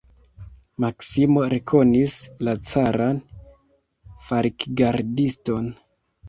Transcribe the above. Maksimo rekonis la caran falkgardiston.